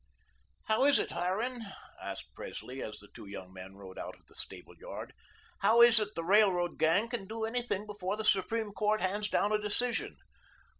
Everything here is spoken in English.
"How is it, Harran," asked Presley as the two young men rode out of the stable yard, "how is it the Railroad gang can do anything before the Supreme Court hands down a decision?"